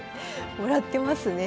もらってますね。